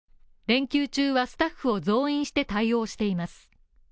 連休中はスタッフを増員して対応しています。